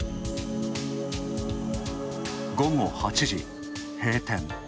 午後８時、閉店。